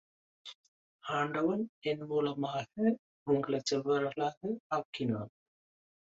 ஆண்டவன் என் மூலமாக, உங்களைச் செல்வர்களாக ஆக்கினான்.